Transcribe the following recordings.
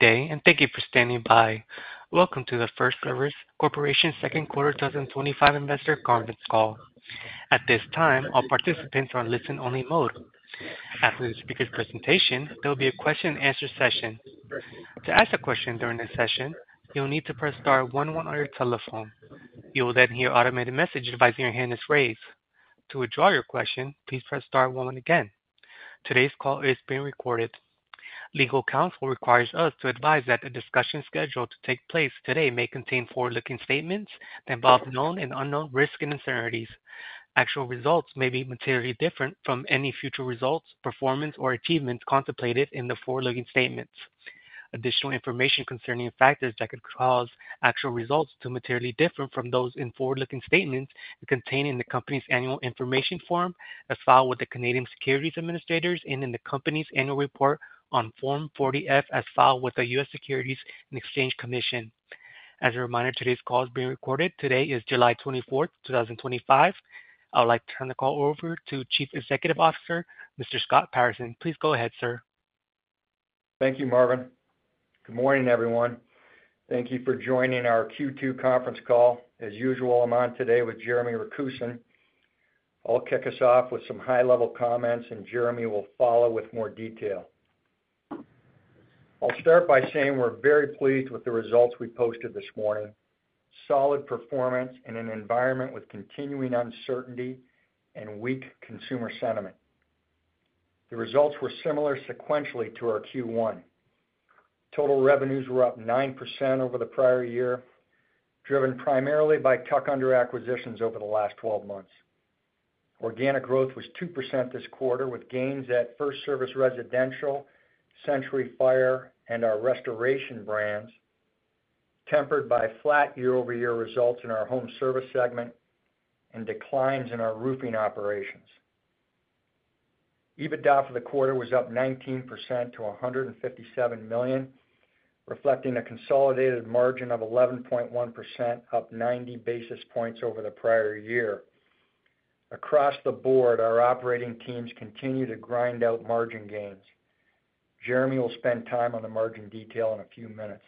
Good day and thank you for standing by. Welcome to the FirstService Corporation second quarter 2025 investor conference call. At this time all participants are in listen only mode. After the speaker's presentation there will be a question and answer session. To ask a question during the session you will need to press star one one on your telephone. You will then hear an automated message advising your hand is raised. To withdraw your question, please press star one again. Today's call is being recorded. Legal counsel requires us to advise that the discussion scheduled to take place today may contain forward looking statements that involve known and unknown risks and uncertainties. Actual results may be materially different from any future results, performance or achievements contemplated in the forward looking statements. Additional information concerning factors that could cause actual results to materially differ from those in forward looking statements are contained in the company's Annual Information Form as filed with the Canadian Securities Administrators and in the company's annual report on Form 40F as filed with the U.S. Securities and Exchange Commission. As a reminder, today's call is being recorded. Today is July 24, 2025. I would like to turn the call over to Chief Executive Officer Mr. Scott Patterson. Please go ahead sir. Thank you, Marvin. Good morning, everyone. Thank you for joining our Q2 conference call. As usual, I'm on today with Jeremy Rakusin. I'll kick us off with some high-level comments, and Jeremy will follow with more detail. I'll start by saying we're very pleased with the results we posted this morning. Solid performance in an environment with continuing uncertainty and weak consumer sentiment. The results were similar sequentially to our Q1. Total revenues were up 9% over the prior year, driven primarily by tuck-under acquisitions over the last 12 months. Organic growth was 2% this quarter, with gains at FirstService Residential, Century Fire, and our restoration brands tempered by flat year-over-year results in our home service segment and declines in our roofing operations. EBITDA for the quarter was up 19% to $157 million, reflecting a consolidated margin of 11.1%, up 90 basis points over the prior year. Across the board, our operating teams continue to grind out margin gains. Jeremy will spend time on the margin detail in a few minutes.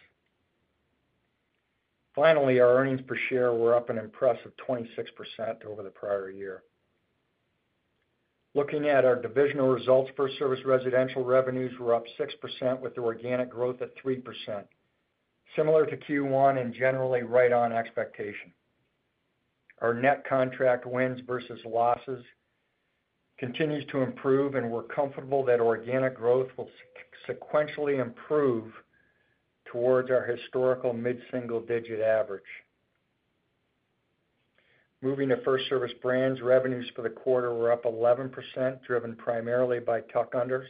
Finally, our earnings per share were up an impressive 26% over the prior year. Looking at our divisional results, FirstService Residential revenues were up 6% with organic growth at 3%, similar to Q1 and generally right on expectation. Our net contract wins versus losses continues to improve, and we're comfortable that organic growth will sequentially improve towards our historical mid-single-digit average. Moving to FirstService Brands, revenues for the quarter were up 11%, driven primarily by tuck-unders.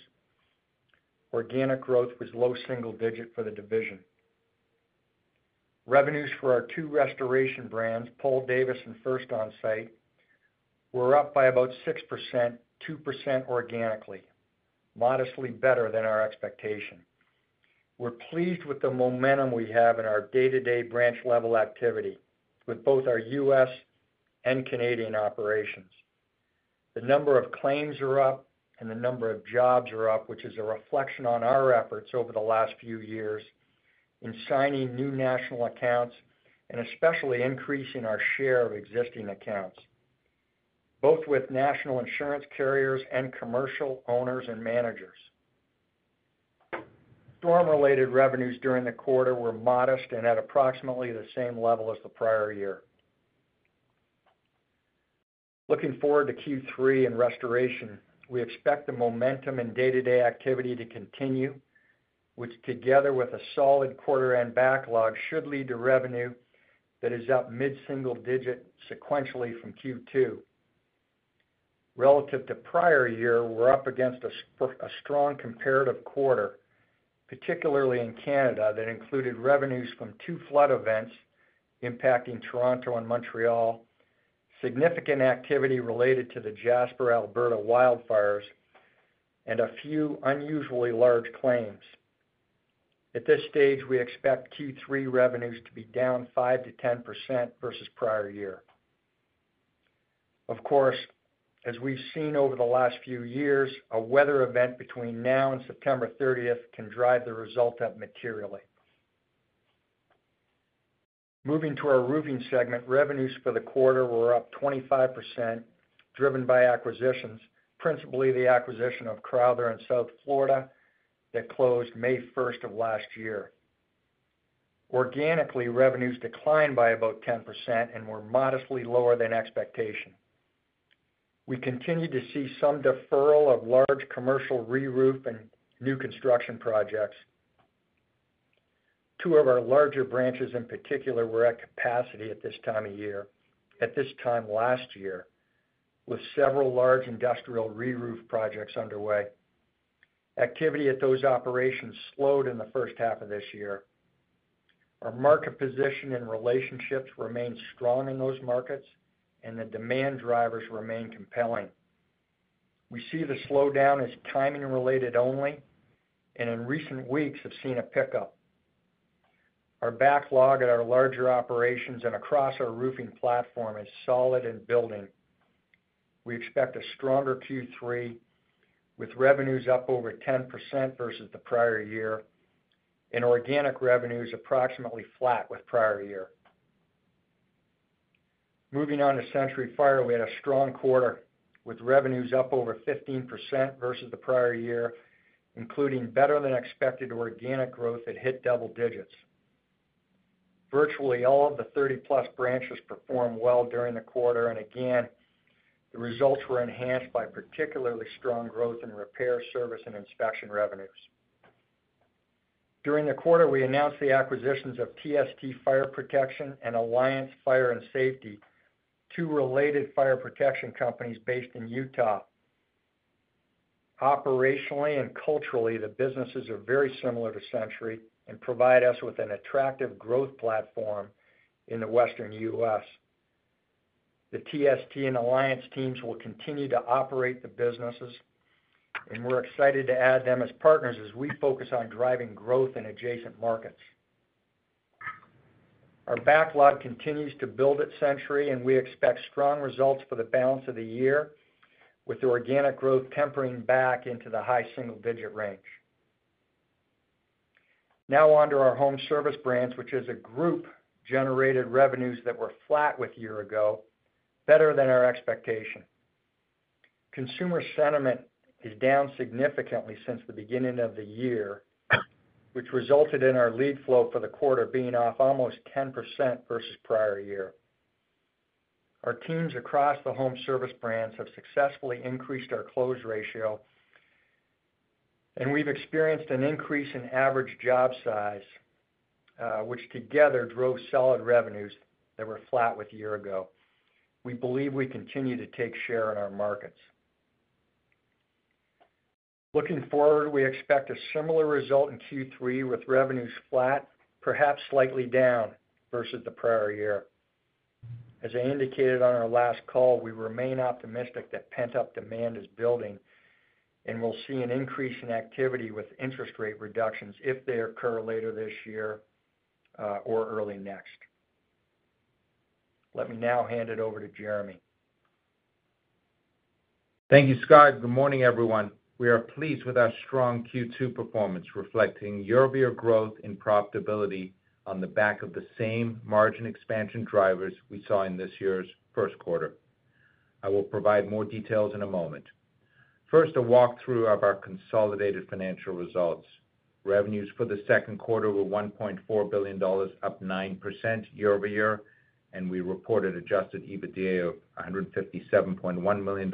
Organic growth was low single digit for the division. Revenues for our two restoration brands, Paul Davis and First Onsite, were up by about 6%, 2% organically, modestly better than our expectation. We're pleased with the momentum we have in our day-to-day branch level activity with both our U.S. and Canadian operations. The number of claims are up and the number of jobs are up, which is a reflection on our efforts over the last few years in signing new national accounts and especially increasing our share of existing accounts both with national insurance carriers and commercial owners and managers. Storm-related revenues during the quarter were modest and at approximately the same level as the prior year. Looking forward to Q3 and restoration, we expect the momentum in day-to-day activity to continue, which together with a solid quarter-end backlog should lead to revenue that is up mid single digit sequentially from Q2. Relative to prior year, we're up against a strong comparative quarter, particularly in Canada that included revenues from two flood events impacting Toronto and Montreal, significant activity related to the Jasper, Alberta wildfires, and a few unusually large claims. At this stage, we expect Q3 revenues to be down 5% -10% versus prior year. Of course, as we've seen over the last few years, a weather event between now and September 30th can drive the result up materially. Moving to our roofing segment, revenues for the quarter were up 25% driven by acquisitions, principally the acquisition of Crowther in South Florida that closed May 1 of last year. Organically, revenues declined by about 10% and were modestly lower than expectation. We continue to see some deferral of large commercial reroof and new construction projects. Two of our larger branches in particular were at capacity at this time of year. At this time last year, with several large industrial reroof projects underway, activity at those operations slowed in the first half of this year. Our market position and relationships remain strong in those markets, and the demand drivers remain compelling. We see the slowdown as timing related only, and in recent weeks have seen a pickup. Our backlog at our larger operations and across our roofing platform is solid and building. We expect a stronger Q3 with revenues up over 10% versus the prior year and organic revenues approximately flat with prior year. Moving on to Century Fire, we had a strong quarter with revenues up over 15% versus the prior year, including better than expected organic growth that hit double digits. Virtually all of the 30+ branches performed well during the quarter, and again the results were enhanced by particularly strong growth in repair, service and inspection revenues. During the quarter, we announced the acquisitions of TST Fire Protection and Alliance Fire and Safety, two related fire protection companies based in Utah. Operationally and culturally, the businesses are very similar to Century, and provide us with an attractive growth platform in the western U.S. The TST and Alliance teams will continue to operate the businesses, and we're excited to add them as partners as we focus on driving growth in adjacent markets. Our backlog continues to build at Century, and we expect strong results for the balance of the year with the organic growth tempering back into the high single digit range. Now onto our home service brands, which as a group generated revenues that were flat with a year ago, better than our expectation. Consumer sentiment is down significantly since the beginning of the year, which resulted in our lead flow for the quarter being off almost 10% versus prior year. Our teams across the home service brands have successfully increased our close ratio, and we've experienced an increase in average job size, which together drove solid revenues that were flat with a year ago. We believe we continue to take share in our markets. Looking forward, we expect a similar result in Q3 with revenues flat, perhaps slightly down versus the prior year. As I indicated on our last call, we remain optimistic that pent up demand is building, and we'll see an increase in activity with interest rate reductions if they occur later this year or early next. Let me now hand it over to Jeremy. Thank you, Scott. Good morning, everyone. We are pleased with our strong Q2 performance, reflecting year-over-year growth in profitability on the back of the same margin expansion drivers we saw in this year's first quarter. I will provide more details in a moment. First, a walkthrough of our consolidated financial results. Revenues for the second quarter were $1.4 billion, up 9% year-over-year, and we reported adjusted EBITDA of $157.1 million,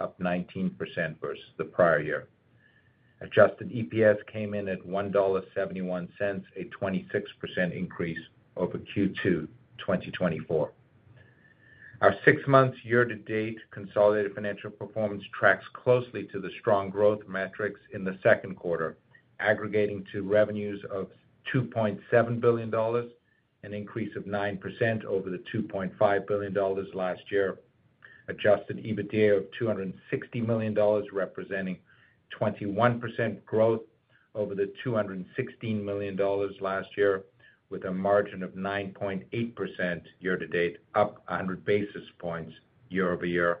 up 19% versus the prior year. Adjusted EPS came in at $1.71, a 26% increase over Q2 2024. Our six months year to date consolidated financial performance tracks closely to the strong growth metrics in the second quarter, aggregating to revenues of $2.7 billion, an increase of 9% over the $2.5 billion last year. Adjusted EBITDA of $260 million, representing 21% growth over the $216 million last year, with a margin of 9.8% year to date, up 100 basis points year-over-year,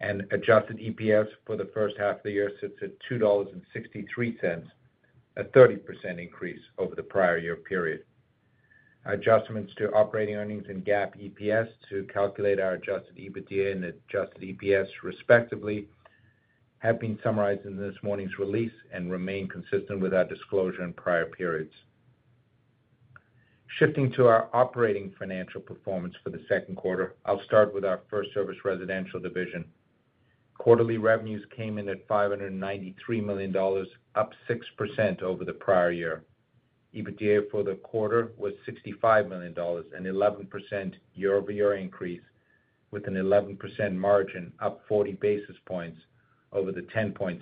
and adjusted EPS for the first half of the year sits at $2.63, a 30% increase over the prior year period. Adjustments to operating earnings and GAAP EPS to calculate our adjusted EBITDA and adjusted EPS, respectively, have been summarized in this morning's release and remain consistent with our disclosure in prior periods. Shifting to our operating financial performance for the second quarter, I'll start with our FirstService Residential division. Quarterly revenues came in at $593 million, up 6% over the prior year. EBITDA for the quarter was $65 million, an 11% year-over-year increase, with an 11% margin, up 40 basis points over the 10.6%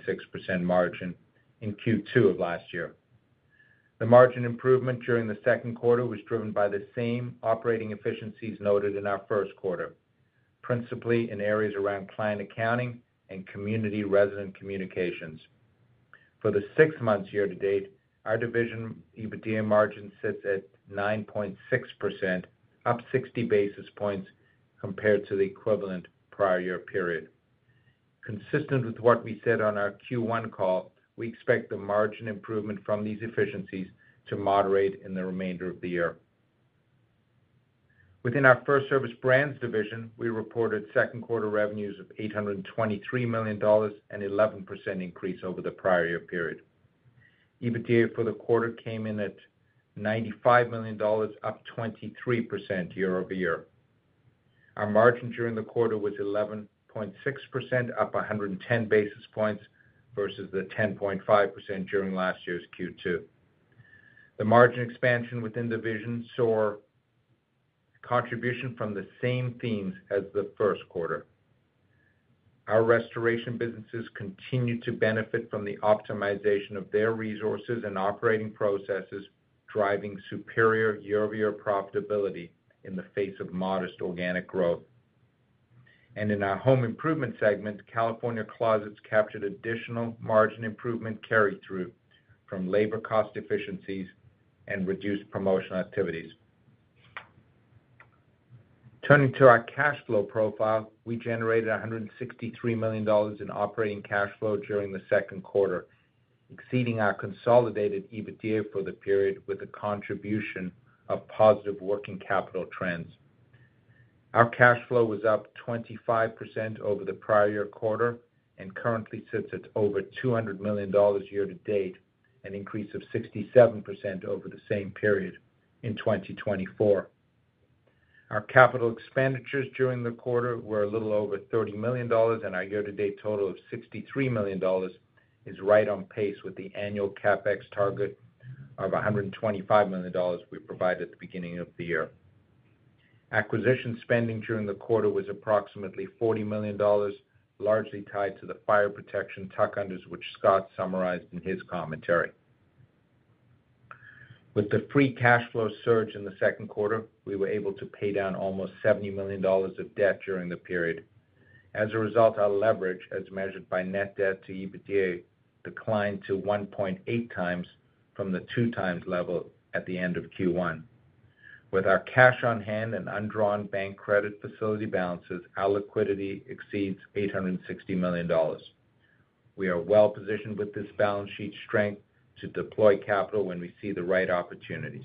margin in Q2 of last year. The margin improvement during the second quarter was driven by the same operating efficiencies noted in our first quarter, principally in areas around client accounting and community resident communications. For the six months year to date, our division EBITDA margin sits at 9.6%, up 60 basis points compared to the equivalent prior year period. Consistent with what we said on our Q1 call, we expect the margin improvement from these efficiencies to moderate in the remainder of the year. Within our FirstService Brands division, we reported second quarter revenues of $823 million, an 11% increase over the prior year period. EBITDA for the quarter came in at $95 million, up 23% year-over-year. Our margin during the quarter was 11.6%, up 110 basis points versus the 10.5% during last year's Q2. The margin expansion within the division saw contribution from the same themes as the first quarter. Our restoration businesses continue to benefit from the optimization of their resources and operating processes, driving superior year-over-year profitability in the face of modest organic growth. In our home improvement segment, California Closets captured additional margin improvement carry through from labor cost efficiencies and reduced promotional activities. Turning to our cash flow profile, we generated $163 million in operating cash flow during the second quarter, exceeding our consolidated EBITDA for the period with a contribution of positive working capital trends. Our cash flow was up 25% over the prior year quarter and currently sits at over $200 million year to date, an increase of 67% over the same period in 2024. Our capital expenditures during the quarter were a little over $30 million, and our year to date total of $63 million is right on pace with the annual CapEx target of $125 million we provided at the beginning of the year. Acquisition spending during the quarter was approximately $40 million, largely tied to the fire protection tuck-unders which Scott summarized in his commentary. With the free cash flow surge in the second quarter, we were able to pay down almost $70 million of debt during the period. As a result, our leverage as measured by net debt to EBITDA declined to 1.8 times from the 2 times level at the end of Q1. With our cash on hand and undrawn bank credit facility balances, our liquidity exceeds $860 million. We are well positioned with this balance sheet strength to deploy capital when we see the right opportunities.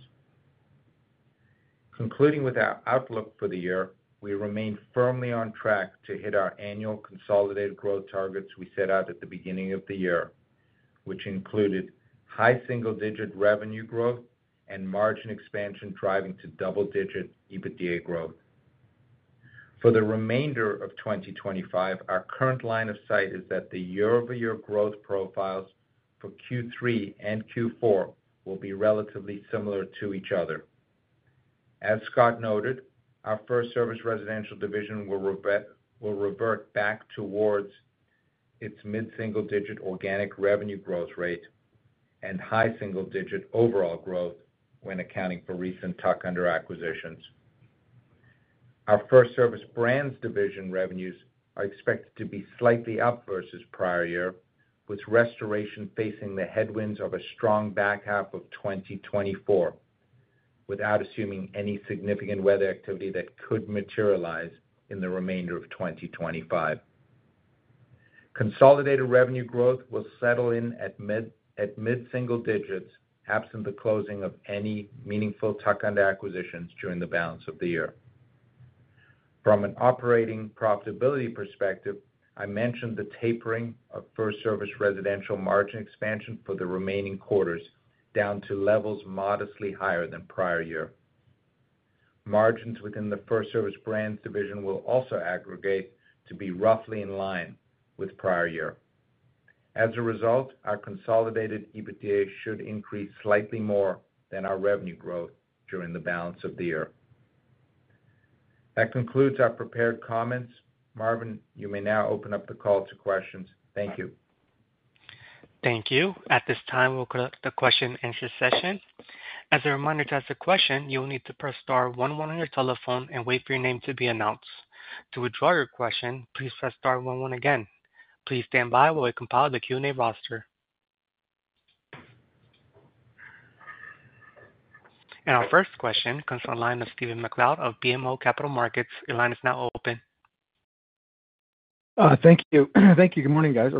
Concluding with our outlook for the year, we remain firmly on track to hit our annual consolidated growth targets we set out at the beginning of the year, which included high single digit revenue growth and margin expansion driving to double digit EBITDA growth for the remainder of 2025. Our current line of sight is that the year-over-year growth profiles for Q3 and Q4 will be relatively similar to each other. As Scott noted, our FirstService Residential division will revert back towards its mid single digit organic revenue growth rate and high single digit overall growth when accounting for recent tuck-under acquisitions. Our FirstService Brands division revenues are expected to be slightly up versus prior year, with restoration facing the headwinds of a strong back half of 2024 without assuming any significant weather activity that could materialize in the remainder of 2025. Consolidated revenue growth will settle in at mid single digits absent the closing of any meaningful tuck-under acquisitions during the balance of the year. From an operating profitability perspective, I mentioned the tapering of FirstService Residential margin expansion for the remaining quarters down to levels modestly higher than prior year margins. Within the FirstService Brands division, margin will also aggregate to be roughly in line with prior year. As a result, our consolidated EBITDA should increase slightly more than our revenue growth during the balance of the year. That concludes our prepared comments. Marvin, you may now open up the call to questions. Thank you. Thank you. At this time, we'll close the question-and-answer session. As a reminder, to ask a question, you will need to press Star one one on your telephone and wait for your name to be announced. To withdraw your question, please press Star one one again. Please stand by while we compile the Q and A roster, and our first question comes from the line of Stephen MacLeod of BMO Capital Markets. Your line is now open. Thank you. Thank you. Good morning, guys.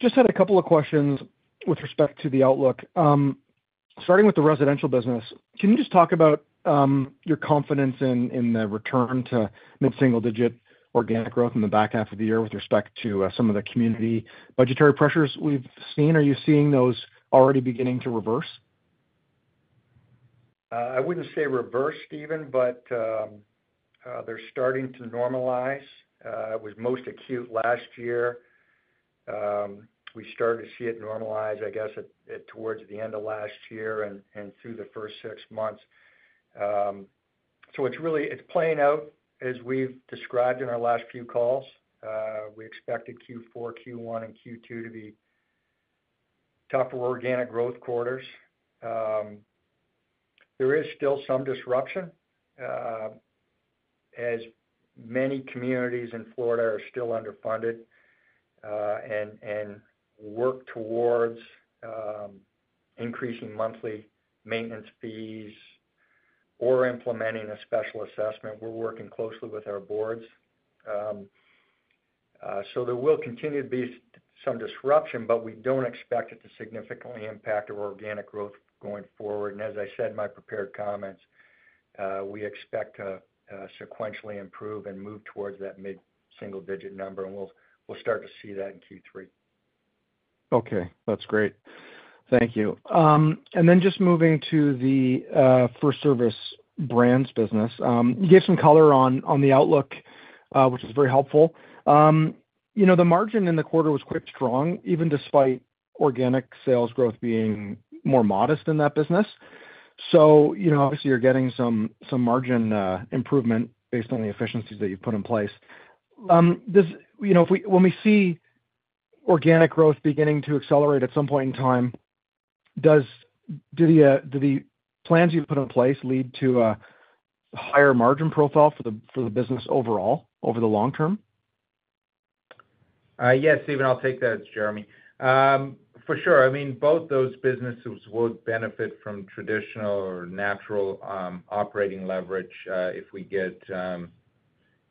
Just had a couple of questions with respect to the outlook, starting with the residential business. Can you just talk about your confidence in the return to mid single digit organic growth in the back half of the year with respect to some of the community budgetary pressures we've seen? Are you seeing those already beginning to reverse? I wouldn't say reverse, Stephen, but they're starting to normalize. It was most acute last year. We started to see it normalize, I guess, towards the end of last year and through the first six months. It's really playing out. As we've described in our last few calls, we expected Q4, Q1, and Q2 to be tougher organic growth quarters. There is still some disruption as many communities in Florida are still underfunded and work towards increasing monthly maintenance fees or implementing a special assessment. We're working closely with our boards, so there will continue to be some disruption, but we don't expect it to significantly impact our organic growth going forward. As I said in my prepared comments, we expect to sequentially improve and move towards that mid single digit number, and we'll start to see that in Q3. Okay, that's great, thank you. Moving to the FirstService Brands business, you gave some color on the outlook which is very helpful. The margin in the quarter was quite strong even despite organic sales growth being more modest in that business. Obviously, you're getting some margin improvement based on the efficiencies that you've put in place. When we see organic growth beginning to accelerate at some point in time do the plans you put in place lead to a higher margin profile for the business overall over the long term? Yes, Stephen, I'll take that it's Jeremy. For sure. I mean both those businesses would benefit from traditional or natural operating leverage. If we get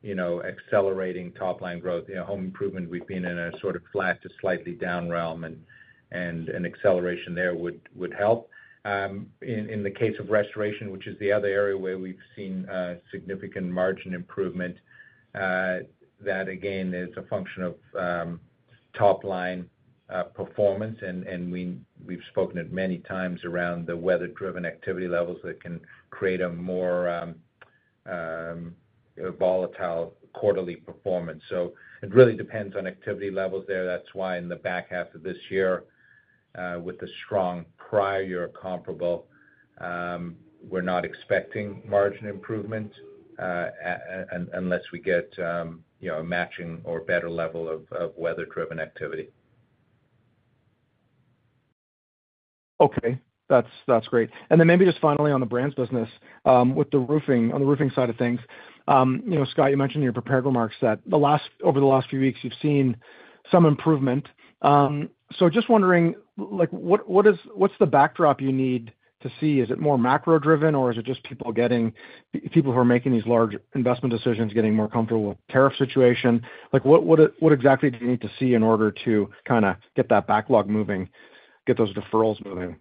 accelerating top line growth, home improvement, we've been in a sort of flat to slightly down realm and an acceleration there would help. In the case of restoration, which is the other area where we've seen significant margin improvement, that again is a function of top line performance, and we've spoken it many times around the weather driven activity levels that can create a more volatile quarterly performance. It really depends on activity levels there. That's why in the back half of this year, with the strong prior year comparable, we're not expecting margin improvement unless we get a matching or better level of weather driven activity. Okay, that's great. Maybe just finally on the Brands business with the roofing, on the roofing side of things, Scott, you mentioned in your prepared remarks that over the last few weeks you've seen some improvement. Just wondering, what is the backdrop you need to see? Is it more macro driven or is it just people getting. People who are making these large investments decisions, getting more comfortable tariff situation. What exactly do you. need to see in order to kind of get that backlog moving, get those deferrals moving?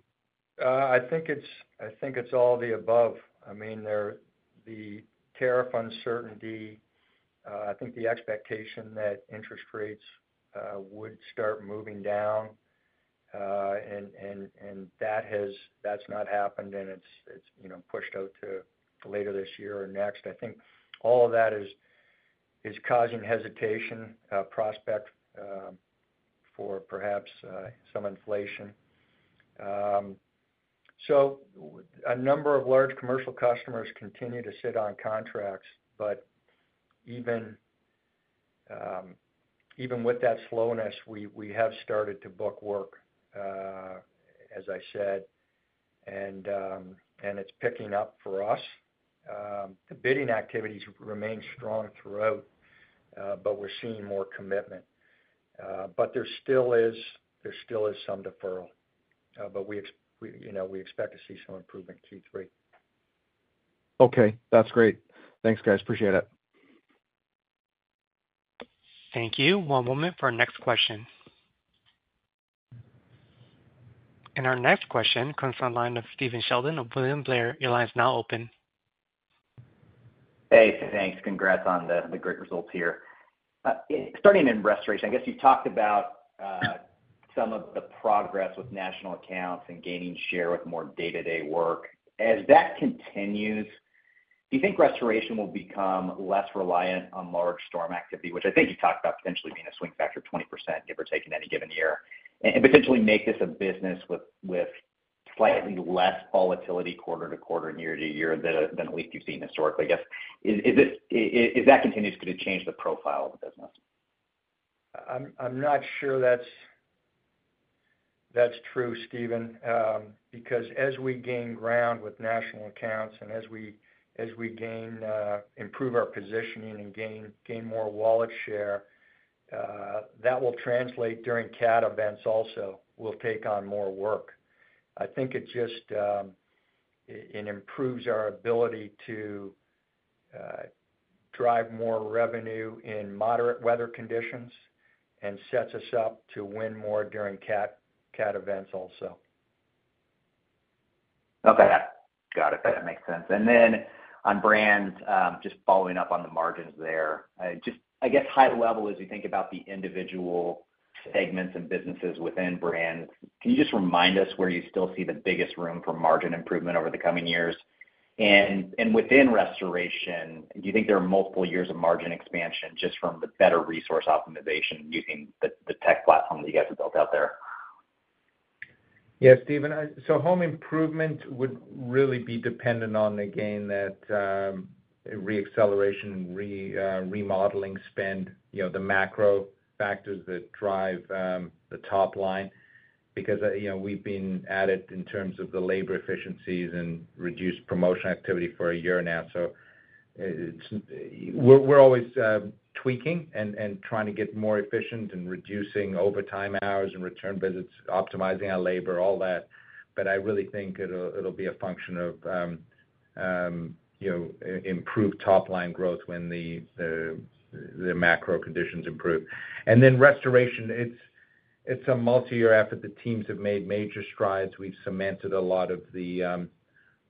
I think it's all the above. I mean the tariff uncertainty, I think the expectation that interest rates would start moving down and that's not happened, and it's pushed out to later this year or next. I think all of that is causing hesitation, prospect for perhaps some inflation. A number of large commercial customers continue to sit on contracts. But even with that slowness, we have started to book work, as I said, and it's picking up for us. The bidding activities remain strong throughout, and we're seeing more commitment. There still is some deferral, but we expect to see some improvement in Q3. Okay, that's great. Thanks guys. Appreciate it. Thank you. One moment for our next question. Our next question comes from the line of Stephen Sheldon of William Blair. Your line is now open. Hey, thanks. Congrats on the great results here. Starting in restoration, I guess you talked about some of the progress with national accounts and gaining share with more day-to-day work. As that continues, do you think restoration will become less reliant on large storm activity, which I think you talked about potentially being a swing factor of 20%, give or take in any given year, and potentially make this a business with slightly less volatility quarter-to-quarter, year-to-year than at least you've seen historically. Is that continuous, could it change the profile of the business? I'm not sure that's true, Stephen, because as we gain ground with national accounts and as we improve our positioning and gain more wallet share, that will translate during CAT events. Also, we will take on more work. I think it just improves our ability to drive more revenue in moderate weather conditions and sets us up to win more during CAT events also. Okay, got it. That makes sense. On brands, just following up on the margins, just I guess high level, as you think about the individual segments and businesses within brands, can you just remind us where you still see the biggest room for margin improvement over the coming years? Within restoration, do you think there are multiple years of margin expansion just from the better resource optimization using the tech platform that you guys have built out there? Yes, Stephen. Home improvement would really be dependent on, again, that re-acceleration, remodeling spend, the macro factors that drive the top line. We've been at it in terms of the labor efficiencies and reduced promotion activity for a year now. We're always tweaking and trying to get more efficient and reducing overtime hours and return visits, optimizing our labor, all that. I really think it'll be a function of improved top line growth when the macro conditions improve, and then restoration. It's a multi-year effort the teams have made major strides. We've cemented a lot of the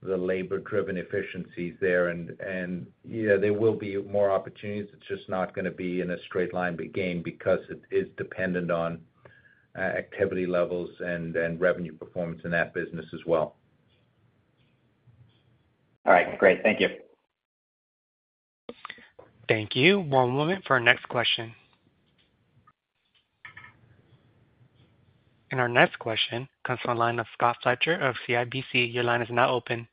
labor-driven efficiencies there, and there will be more opportunities. It's just not going to be in a straight line game because it is dependent on activity levels and revenue performance in that business as well. All right, great. Thank you. Thank you. One moment for our next question. Our next question comes from the line of Scott Fletcher of CIBC. Your line is now open.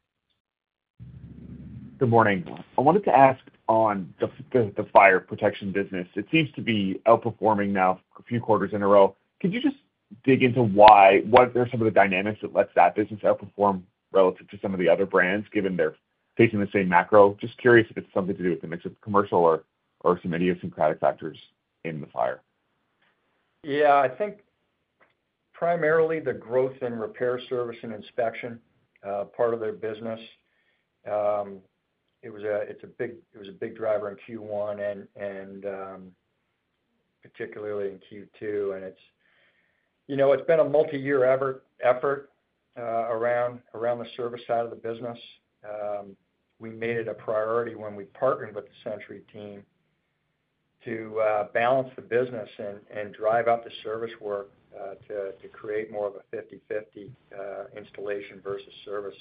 Good morning. I wanted to ask on the fire protection business, it seems to be outperforming now a few quarters in a row. Could you just dig into why? What are some of the dynamics that lets that business outperform relative to some of the other brands given they're facing the same macro? Just curious if it's something to do with the mix of commercial or some idiosyncratic factors in the fire. Yeah, I think primarily the growth in repair, service and inspection part of their business was a big driver in Q1 and particularly in Q2. It's been a multi-year effort around the service side of the business. We made it a priority when we partnered with the Century team to balance the business and drive up the service work to create more of a 50/50 installation versus service.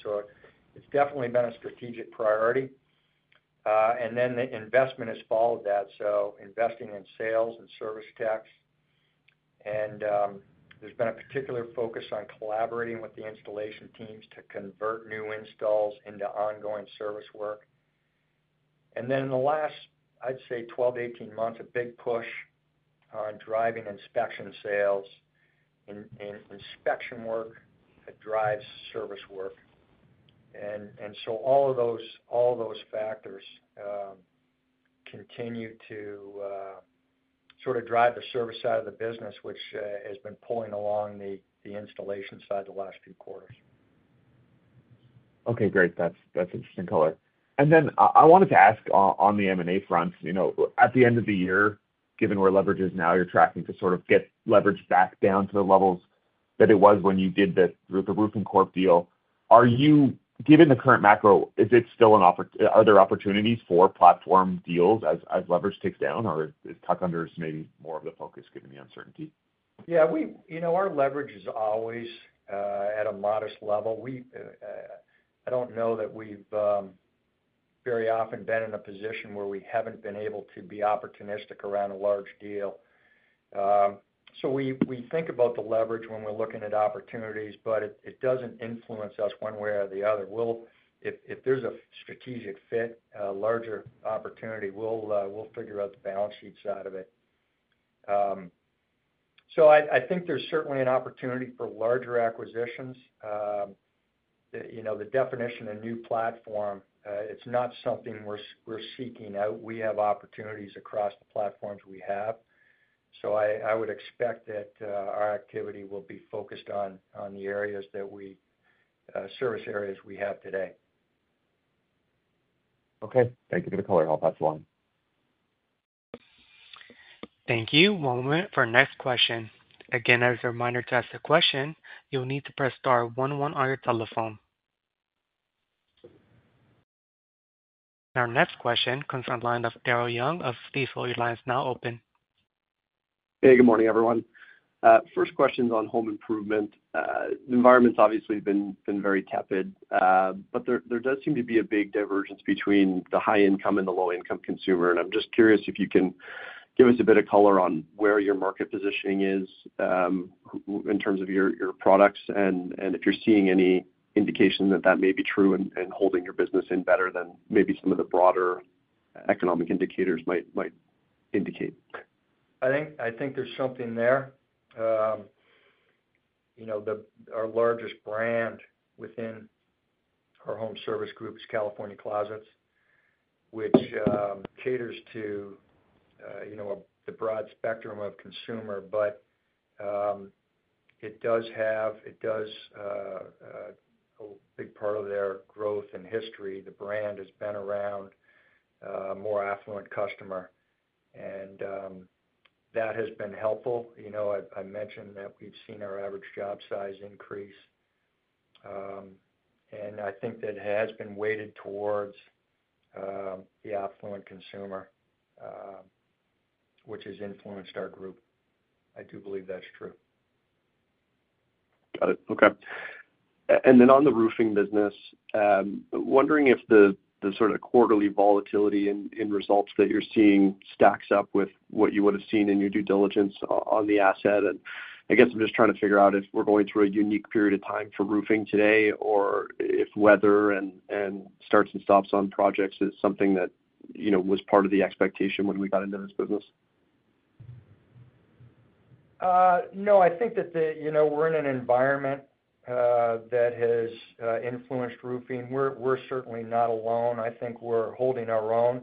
It's definitely been a strategic priority, and the investment has followed that. Investing in sales and service tech, there's been a particular focus on collaborating with the installation teams to convert new installs into ongoing service work. In the last, I'd say, 12 -18 months, a big push on driving inspection sales, inspection work that drives service work. All those factors continue to sort of drive the service side of the business, which has been pulling along the installation side the last few quarters. Okay, great. That's interesting color. I wanted to ask on the M&A front, at the end of the year, given where leverage is now, you're tracking to sort of get leverage back down to the levels that it was when you did that with the Roofing Corp deal. Are you, given the current macro, are there opportunities for platform deals as leverage takes down, or is tuck-unders maybe more of the focus given the uncertainty? Yeah, our leverage is always at a modest level. I don't know that we've very often been in a position where we haven't been able to be opportunistic around a large deal. We think about the leverage when we're looking at opportunities, but it doesn't influence us one way or the other. If there's a strategic fit, larger opportunity, we'll figure out the balance sheet side of it. I think there's certainly an opportunity for larger acquisitions. The definition of new platform, it's not something we're seeking out. We have opportunities across the platforms we have. I would expect that our activity will be focused on the areas that we service, areas we have today. Okay, thank you for the color. I'll pass along. Thank you. One moment for next question. Again, as a reminder to ask a question, you'll need to press star one one on your telephone. Our next question comes from the line of Daryl Young of TD Securities. The line is now open. Hey, good morning, everyone. First question is on home improvement. The environment's obviously been very tepid, but there does seem to be a big divergence between the high income and the low income consumer. I'm just curious if you can give us a bit of color on where your market positioning is in terms of your products, and if you're seeing any indication that that may be true and holding your business in better than maybe some of the broader economic indicators might indicate. I think there's something there. You know, our largest brand within our home service group is California Closets, which caters to, you know, the broad spectrum of consumer. It does have, it does a big part of their growth and history. The brand has been around more affluent customer and that has been helpful. You know, I mentioned that we've seen our average job size increase. And I think that has been weighted towards the affluent consumer, which has influenced our group. I do believe that's true. Got it. Okay. On the roofing business, wondering if the sort of quarterly volatility in results that you're seeing stacks up with what you would have seen in your due diligence on the asset. I'm just trying to figure out if we're going through a unique period of time for roofing today, or if weather and starts and stops on projects is something that was part of the expectation when we got into this business. No, I think that we're in an environment that has influenced roofing. We're certainly not alone. I think we're holding our own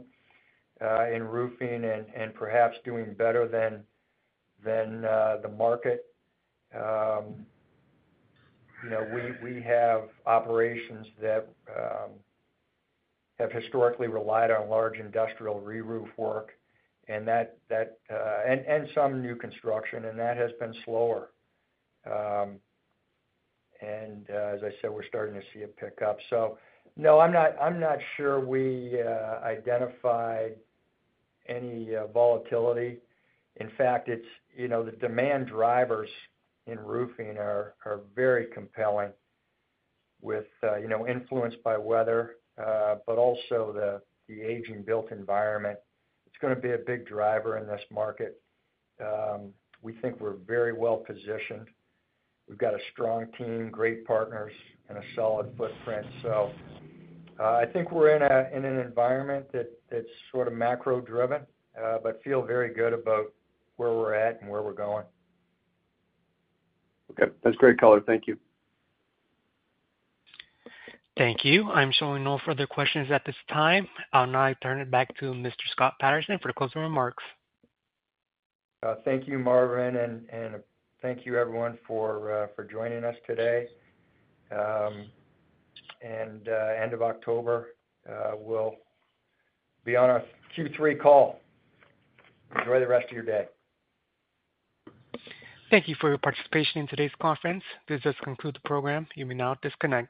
in roofing and perhaps doing better than the market. We have operations that have historically relied on large industrial reroof work and some new construction, and that has been slower. As I said, we're starting to see it pick up. No, I'm not sure we identified any volatility. In fact, the demand drivers in roofing are very compelling, influenced by weather but also the aging built environment. It's going to be a big driver in this market. We think we're very well positioned. We've got a strong team, great partners, and a solid footprint. I think we're in an environment that's sort of macro driven but feel very good about where we're at and where we're going. Okay, that's great color. Thank you. Thank you. I'm showing no further questions at this time. Now I turn it back to Mr. D. Scott Patterson for closing remarks. Thank you, Marvin. Thank you everyone for joining us today. At end of October, we'll be on our Q3 call. Enjoy the rest of your day. Thank you for your participation in today's conference. This does conclude the program. You may now disconnect.